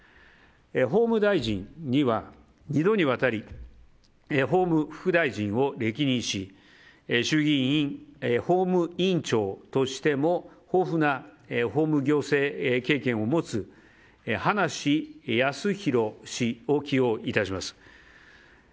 法務大臣には２度にわたり法務副大臣を歴任し衆議院法務委員長としても豊富な法務行政経験を持つ葉梨康弘氏を起用いたします。